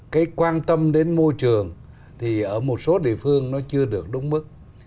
cái quan tâm đến môi trường thì ở một số địa phương nó chưa được đúng mức